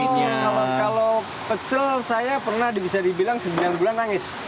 kalau pecel saya pernah bisa dibilang sembilan bulan nangis